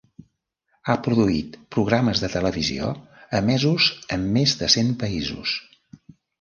Ha produït programes de televisió emesos en més de cent països.